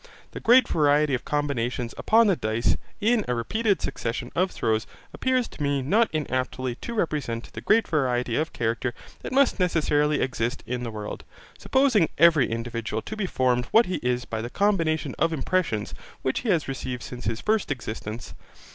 The great variety of combinations upon the dice in a repeated succession of throws appears to me not inaptly to represent the great variety of character that must necessarily exist in the world, supposing every individual to be formed what he is by that combination of impressions which he has received since his first existence.